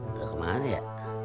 udah kemana ya